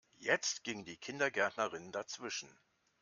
Jetzt ging die Kindergärtnerin dazwischen.